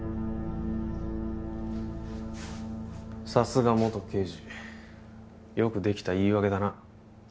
さすが元刑事よくできた言い訳だな